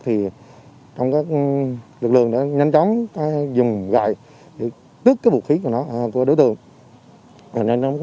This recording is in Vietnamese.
trong các lực lượng đã nhanh chóng dùng gạy tức vũ khí của đối tượng